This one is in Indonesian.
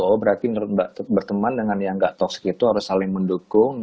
oh berarti menurut mbak berteman dengan yang gak tox itu harus saling mendukung